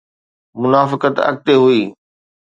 منافقت اڳي هئي.